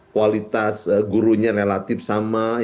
kualitas gurunya relatif sama